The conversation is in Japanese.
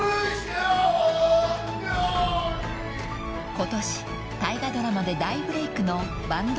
［ことし大河ドラマで大ブレークの坂東